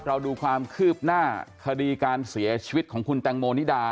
เราดูความคืบหน้าคดีการเสียชีวิตของคุณแตงโมนิดา